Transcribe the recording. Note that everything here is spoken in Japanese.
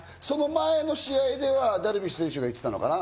その前の試合ではダルビッシュ選手が言ってたかな？